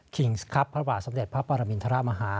ครับพระบาทสมเด็จพระปรมินทรมาฮา